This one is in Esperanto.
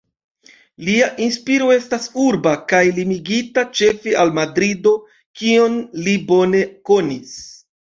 Lia inspiro estas urba kaj limigita ĉefe al Madrido kion li bone konis.